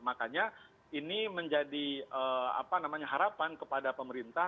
makanya ini menjadi harapan kepada pemerintah